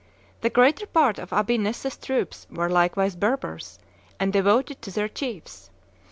The greater part of Abi Nessa's troops were likewise Berbers and devoted to their chiefs.